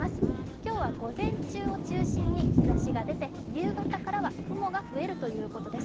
今日は午前中を中心に日ざしが出て夕方からは雲が増えるということです。